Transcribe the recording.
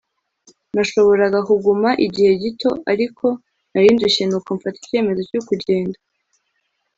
Nashoboraga kuguma igihe gito ariko nari ndushye nuko mfata icyemezo cyo kugenda